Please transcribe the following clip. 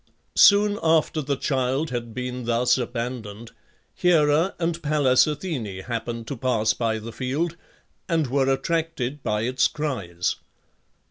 Soon after the child had been thus abandoned, Hera and Pallas Athene happened to pass by the field, and were attracted by its cries.